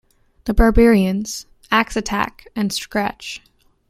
"The Barbarians", "Axe Attack" and "Scratch".